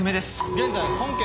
現在本件